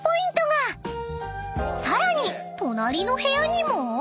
［さらに隣の部屋にも］